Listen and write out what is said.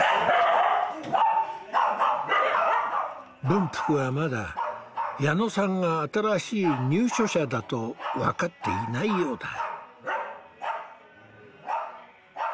文福はまだ矢野さんが新しい入所者だと分かっていないようだ。